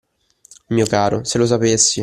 Mio caro, se lo sapessi!